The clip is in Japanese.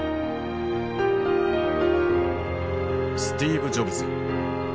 スティーブ・ジョブズ。